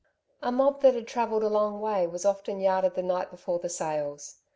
A mob that had travelled a long way was often yarded the night before the sales.